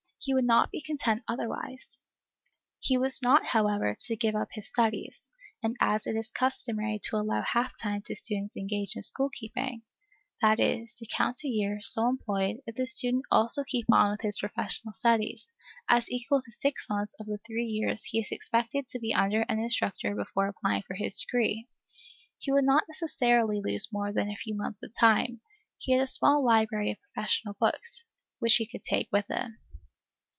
He would not be content otherwise. He was not, however, to give up his studies; and as it is customary to allow half time to students engaged in school keeping, that is, to count a year, so employed, if the student also keep on with his professional studies, as equal to six months of the three years he is expected to be under an instructor before applying for his degree, he would not necessarily lose more than a few months of time. He had a small library of professional books, which he could take with him.